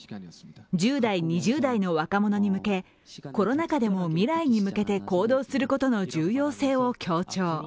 １０代、２０代の若者に向けコロナ禍でも未来に向けて行動することの重要性を強調。